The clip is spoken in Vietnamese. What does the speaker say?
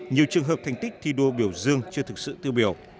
nhiều trường hợp thành tích thi đua biểu dương chưa thực sự tiêu biểu